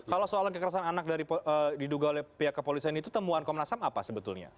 kalau soal kekerasan anak diduga oleh pihak kepolisian itu temuan komnas ham apa sebetulnya